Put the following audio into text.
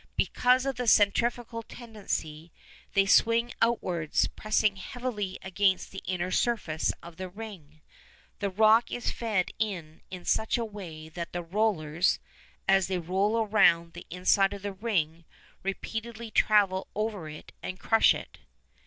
Because of the centrifugal tendency, they swing outwards, pressing heavily against the inner surface of the ring. The rock is fed in in such a way that the rollers, as they roll round the inside of the ring, repeatedly travel over it and crush it.